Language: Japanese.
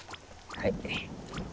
はい。